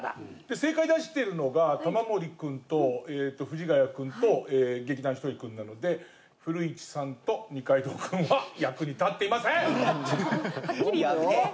正解出してるのが玉森君と藤ヶ谷君と劇団ひとり君なので古市さんと二階堂君はハッキリ言いますね。